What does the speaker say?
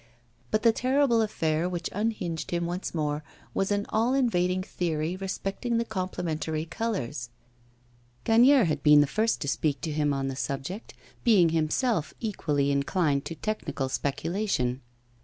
But the terrible affair which unhinged him once more was an all invading theory respecting the complementary colours. Gagnière had been the first to speak to him on the subject, being himself equally inclined to technical speculation.